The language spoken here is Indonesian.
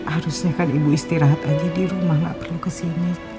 harusnya kan ibu istirahat aja di rumah gak perlu kesini